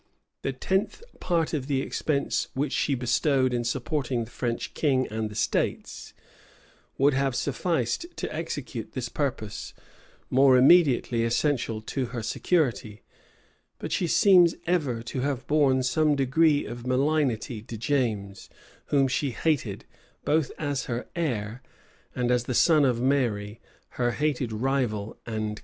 The tenth part of the expense which she bestowed in supporting the French king and the states, would have sufficed to execute this purpose, more immediately essential to her security;[] but she seems ever to have borne some degree of malignity to James, whom she hated, both as her heir, and as the son of Mary, her hated rival and competitor.